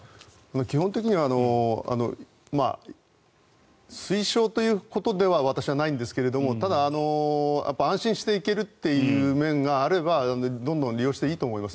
基本的には推奨ということでは私はないんですが、ただ安心して行けるという面があればどんどん利用していいと思います。